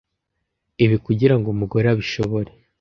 Ibi kugira ngo umugore abishobore